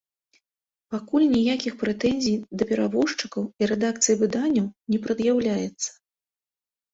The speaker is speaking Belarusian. Пакуль ніякіх прэтэнзій да перавозчыкаў і рэдакцый выданняў не прад'яўляецца.